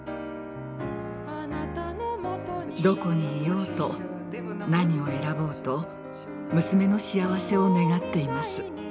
どこにいようと何を選ぼうと娘の幸せを願っています。